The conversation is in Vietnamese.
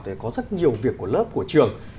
thì có rất nhiều việc của lớp của trường